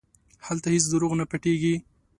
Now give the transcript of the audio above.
هلته هېڅ دروغ نه پټېږي.